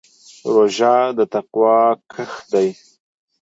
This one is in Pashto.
روژه د تقوا کښت دی.